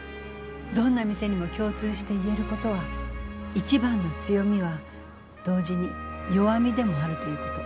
どんな店にも共通して言えることは一番の強みは同時に弱みでもあるということ。